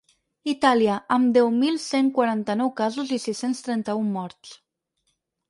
Itàlia, amb deu mil cent quaranta-nou casos i sis-cents trenta-un morts.